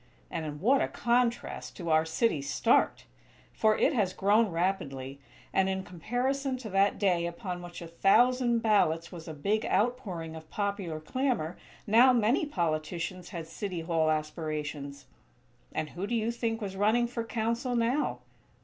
And in what a contrast to our city's start! For it has grown rapidly; and, in comparison to that day upon which a thousand ballots was a big out pouring of popular clamor now many politicians had City Hall aspirations. And who do you think was running for Council, now?